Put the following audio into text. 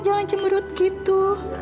jangan cemerut gitu